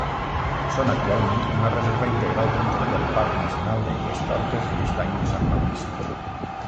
Són actualment una reserva integral dintre del Parc Nacional d'Aigüestortes i Estany de Sant Maurici.